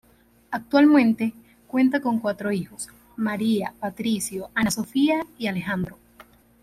Actualmente cuenta con cuatro hijos: María, Patricio, Ana Sofía y Alejandro.